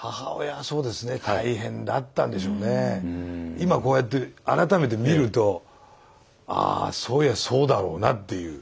今こうやって改めて見るとああそういやそうだろうなっていう。